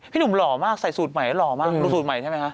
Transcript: หนุ่มหล่อมากใส่สูตรใหม่หล่อมากดูสูตรใหม่ใช่ไหมคะ